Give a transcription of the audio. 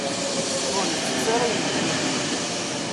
Ur itett ara ayen melliḥen.